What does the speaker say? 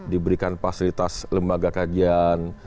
diberikan fasilitas lembaga kajian